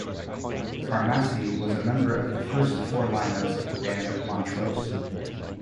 Carmassi was a member of the first four line-ups of the band Montrose.